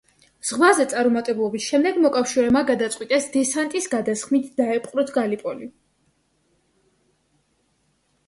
ზღვაზე წარუმატებლობის შემდეგ მოკავშირეებმა გადაწყვიტეს დესანტის გადასხმით დაეპყროთ გალიპოლი.